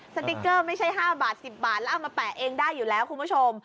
สติ๊กเกอร์ไม่ใช่๕บาท๑๐บาทแล้วเอามาแปะเองได้อยู่แล้วคุณผู้ชม